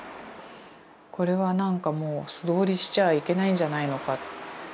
これはなんかもう素通りしちゃいけないんじゃないのか。